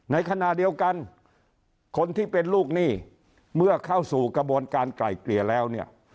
ในขณะเดียวกันคนที่เป็นลูกหนี้เมื่อเข้าสู่กระบวนการไกล่เกลี่ยแล้วเนี่ย